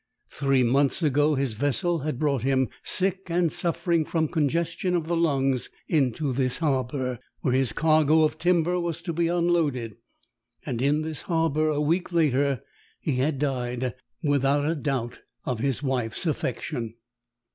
Three months ago his vessel had brought him, sick and suffering from congestion of the lungs, into this harbour, where his cargo of timber was to be unloaded: and in this harbour, a week later, he had died, without a doubt of his wife's affection.